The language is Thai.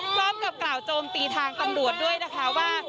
พร้อมกับกล่าวโจมตีทางตำรวจด้วยนะคะว่า